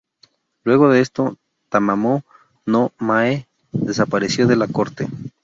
Luego de esto, Tamamo-no-Mae desapareció de la corte.